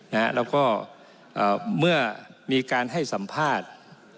แล้วก็เมื่อมีการให้สัมภาษณ์